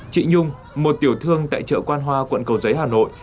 chị nhung một tiểu thương tại chợ quan hoa quận cầu giấy hà nội